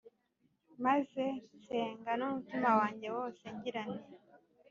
maze nsenga n’umutima wanjye wose, ngira nti